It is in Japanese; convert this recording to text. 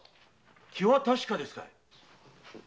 気は確かですかい？